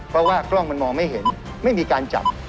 เพราะว่ากล้องมันมองไม่เห็นไม่มีการจับ